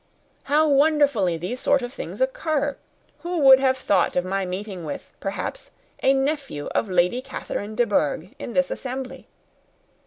How wonderfully these sort of things occur! Who would have thought of my meeting with perhaps a nephew of Lady Catherine de Bourgh in this assembly!